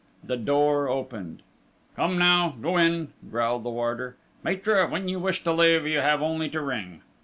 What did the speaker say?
The door opened. "Come now! Go in!..." growled the warder. "Maître, when you wish to leave, you have only to ring."